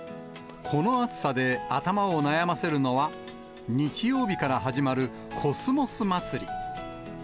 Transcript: この暑さで頭を悩ませるのは、日曜日から始まるコスモスまつり。